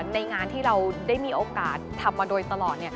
ในงานที่เราได้มีโอกาสทำมาโดยตลอด